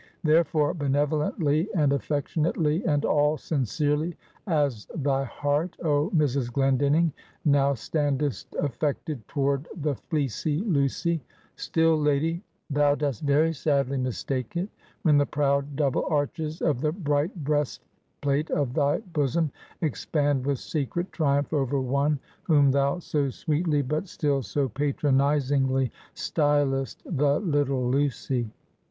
Therefore, benevolently, and affectionately, and all sincerely, as thy heart, oh, Mrs. Glendinning! now standest affected toward the fleecy Lucy; still, lady, thou dost very sadly mistake it, when the proud, double arches of the bright breastplate of thy bosom, expand with secret triumph over one, whom thou so sweetly, but still so patronizingly stylest, The Little Lucy.